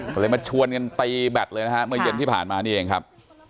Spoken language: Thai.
ก็เลยมาชวนกันตีแบตเลยนะฮะเมื่อเย็นที่ผ่านมานี่เองครับ